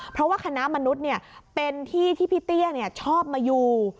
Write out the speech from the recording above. เพราะว่าคณะมนุษย์เป็นที่ที่พี่เตี้ยชอบมาอยู่